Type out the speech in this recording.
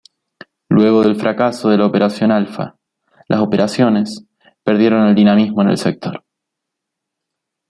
Luego del fracaso de la Operación Alfa, las operaciones perdieron dinamismo en el sector.